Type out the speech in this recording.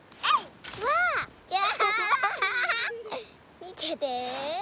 みてて。